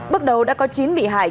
bước đầu đã có chín bị hại